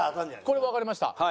これわかりました。